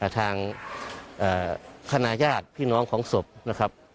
ทางคณะญาติพี่น้องของศพนะครับ